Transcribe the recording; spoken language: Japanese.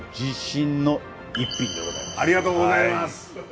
ありがとうございます。